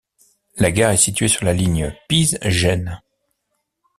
La gare est située sur la ligne Pise - Gênes.